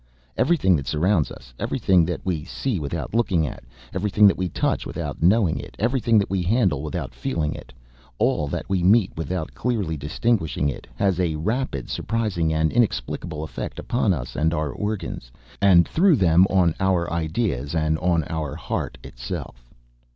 Everything that surrounds us, everything that we see without looking at it, everything that we touch without knowing it, everything that we handle without feeling it, all that we meet without clearly distinguishing it, has a rapid, surprising and inexplicable effect upon us and upon our organs, and through them on our ideas and on our heart itself.